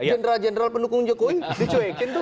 jenderal jenderal pendukung jokowi dicuekin tuh